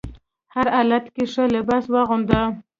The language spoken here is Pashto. هر حالت کې ښه لباس واغونده.